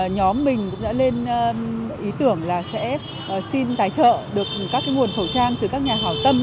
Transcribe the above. nhóm mình cũng đã lên ý tưởng là sẽ xin tài trợ được các nguồn khẩu trang từ các nhà hào tâm